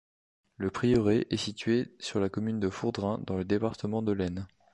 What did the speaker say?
Le prieuré est situé sur la commune de Fourdrain, dans le département de l'Aisne.